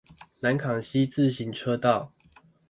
南崁溪自行車道